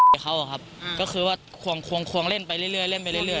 ไอ้เขาหรือครับก็คือว่าควงเล่นไปเรื่อยโดยเรื่อย